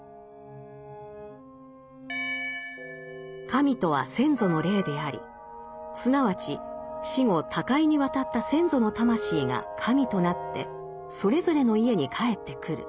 神とは先祖の霊でありすなわち死後他界に渡った先祖の魂が神となってそれぞれの家に帰ってくる。